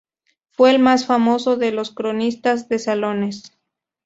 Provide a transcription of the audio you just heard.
Fue el más famoso de los cronistas de salones.